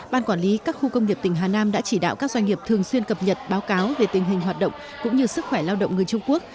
ban quản lý các khu công nghiệp tỉnh hà nam đã chỉ đạo các doanh nghiệp thường xuyên cập nhật báo cáo về tình hình hoạt động cũng như sức khỏe lao động người trung quốc